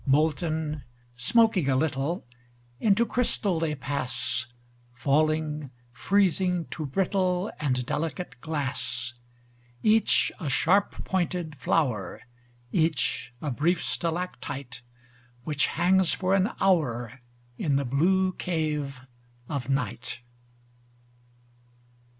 Molten, smoking a little, Into crystal they pass; Falling, freezing, to brittle And delicate glass. Each a sharp pointed flower, Each a brief stalactite Which hangs for an hour In the blue cave of night.